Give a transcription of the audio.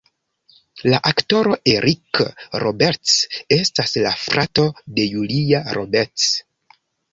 La aktoro Eric Roberts estas la frato de Julia Roberts.